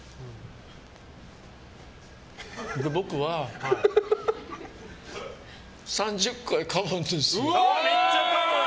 僕は３０回かむんです。